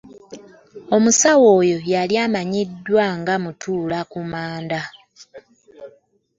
Omusawo oyo yali amanyikiddwa nga “mutuula ku manda”